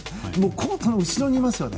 コートの後ろにいますね。